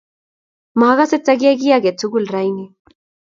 Makase takiyai kiy age tugul rauni